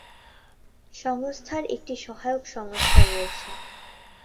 সংস্থার একটি সহায়ক সংস্থা রয়েছে।